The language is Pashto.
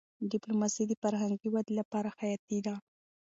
ډيپلوماسي د فرهنګي ودي لپاره حياتي ده.